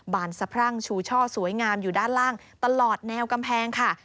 บานสะพรั่งชูช่อสวยงามอยู่ด้านล่างตลอดแนวกำแพงค่ะ